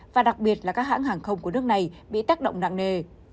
và đặc biệt là các hãng hàng không của nước này bị tác động nặng nề